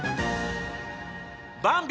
ばんび！